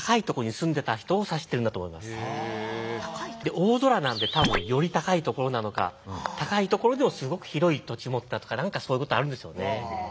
大空なんで多分より高い所なのか高い所でもすごく広い土地持ったとか何かそういうことあるんでしょうね。